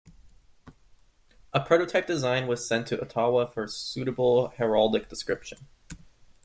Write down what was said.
A prototype design was sent to Ottawa for suitable heraldic description.